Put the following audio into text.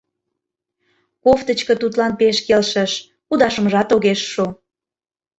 Кофтычко тудлан пеш келшыш, кудашмыжат огеш шу.